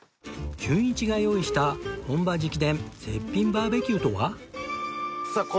じゅんいちが用意した本場直伝絶品バーベキューとは？